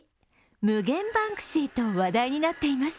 無限バンクシーと話題になっています。